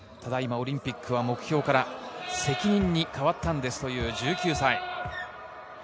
オリンピックは目標から責任に変わったんですという１９歳。